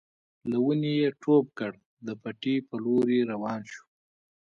له ونې يې ټوپ کړ د پټي په لور روان شو.